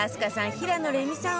平野レミさん